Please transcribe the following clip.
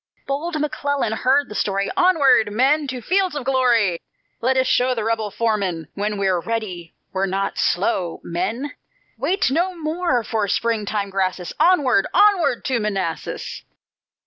Bold McClellan heard the story: "Onward, men, to fields of glory; Let us show the rebel foemen, When we're READY we're not slow, men; Wait no more for springing grasses Onward! onward! to Manassas!"